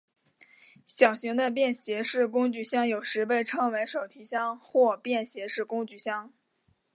小型的便携式工具箱有时被称为手提箱或便携式工具箱。